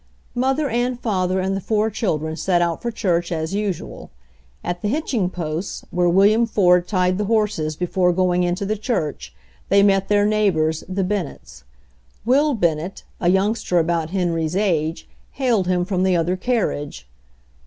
Mother and father and the four children set out for church as usual. At the hitching posts, where William Ford tied the horses before going in to the church, they met their nei^hbotsHftc Bennetts. Will Bennett, a youngster about Henry's age, hailed him from the other carriage.